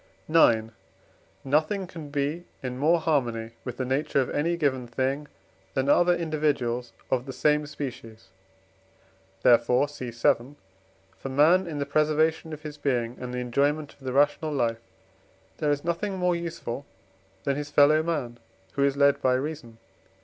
IX. Nothing can be in more harmony with the nature of any given thing than other individuals of the same species; therefore (cf. vii.) for man in the preservation of his being and the enjoyment of the rational life there is nothing more useful than his fellow man who is led by reason.